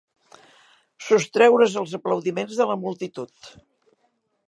Sostreure's als aplaudiments de la multitud.